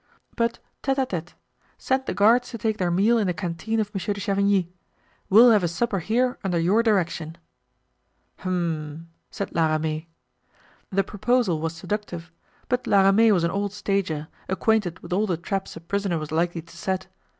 "But tete a tete. Send the guards to take their meal in the canteen of Monsieur de Chavigny; we'll have a supper here under your direction." "Hum!" said La Ramee. The proposal was seductive, but La Ramee was an old stager, acquainted with all the traps a prisoner was likely to set.